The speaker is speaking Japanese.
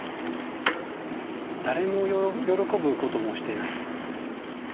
誰も喜ぶこともしてない。